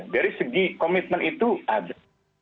dari segi komitmen itu ada